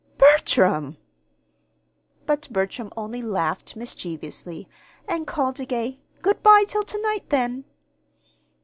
"Bertram!" But Bertram only laughed mischievously, and called a gay "Good by till to night, then!"